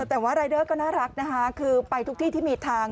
แต่ว่ารายเดอร์ก็น่ารักนะคะคือไปทุกที่ที่มีทาง